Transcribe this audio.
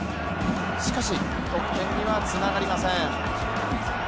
しかし、得点にはつながりません。